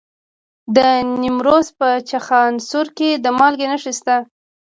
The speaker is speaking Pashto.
د نیمروز په چخانسور کې د مالګې نښې شته.